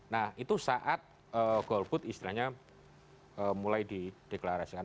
nah itu saat golput istilahnya mulai dideklarasikan